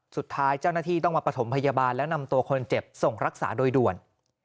สุดท้ายเจ้าหน้าที่ต้องมาประถมพยาบาลและนำตัวคนเจ็บส่งรักษาโดยด่วน